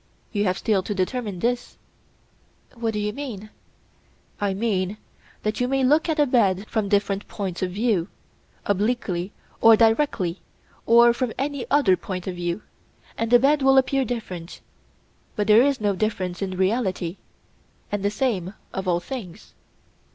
you have still to determine this. What do you mean? I mean, that you may look at a bed from different points of view, obliquely or directly or from any other point of view, and the bed will appear different, but there is no difference in reality. And the same of all things.